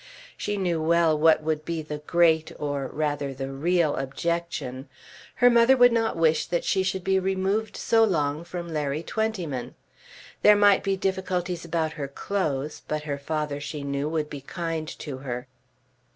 She knew well what would be the great, or rather the real objection. Her mother would not wish that she should be removed so long from Larry Twentyman. There might be difficulties about her clothes, but her father, she knew would be kind to her.